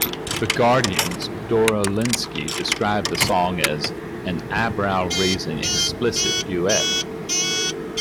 "The Guardian"s Dorian Lynskey described the song as "an eyebrow-raisingly explicit duet.